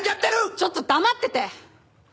ちょっと黙ってて！